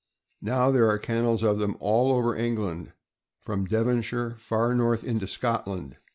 Now there are kennels of them all over England, from Devonshire far north into Scotland.